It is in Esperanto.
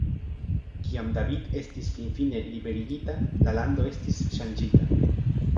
Kiam David estis finfine liberigita, la lando estis ŝanĝita.